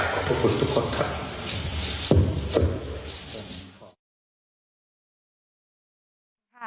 ขอบคุณทุกคนค่ะ